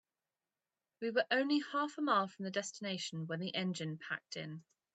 We were only half a mile from the destination when the engine packed in.